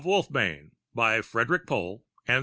net WOLFBANE By FREDERIK POHL and C.